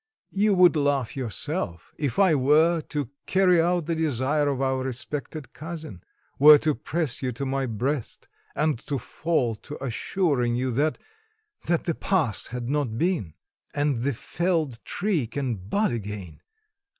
You would laugh yourself if I were to carry out the desire of our respected cousin, were to press you to my breast, and to fall to assuring you that ... that the past had not been; and the felled tree can bud again.